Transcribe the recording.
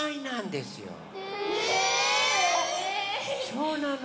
そうなの。